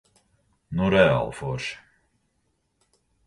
Nu reāli forši.